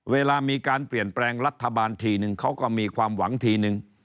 เวลามีการเปลี่ยนแปลงรัฐบาลทีนึงเขาก็มีความหวังทีนึง